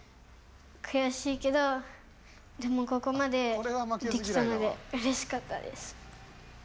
くやしいけどでもここまでできたのでうれしかったです。